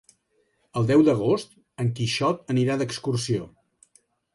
El deu d'agost en Quixot anirà d'excursió.